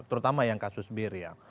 terutama yang kasus bir ya